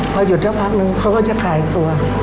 พอหยุดสักพักนึงเขาก็จะคลายตัว